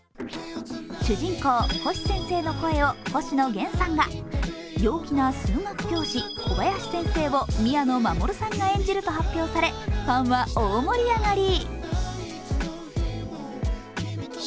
主人公、星先生の声を星野源さんが陽気な数学教師・小林先生を宮野真守さんが演じると発表されファンは大盛り上がり。